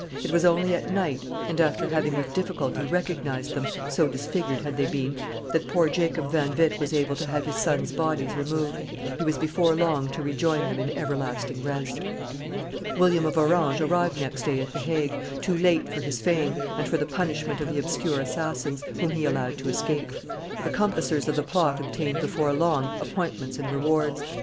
It was only at night, and after having with difficulty recognized them, so disfigured had they been, that poor Jacob van Witt was able to have his sons' bodies removed; he was before long to rejoin them in everlasting rest. William of Orange arrived next day at the Hague, too late for his fame, and for the punishment of the obscure assassins, whom he allowed to escape. The compassers of the plot obtained before long appointments and rewards.